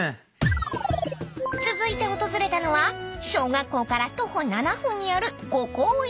［続いて訪れたのは小学校から徒歩７分にある］